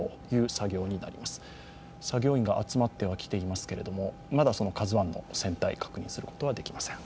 作業員が集まってはきていますけれども、まだ「ＫＡＺＵⅠ」の船体確認することはできません。